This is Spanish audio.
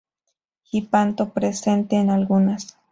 Hipanto presente en algunas.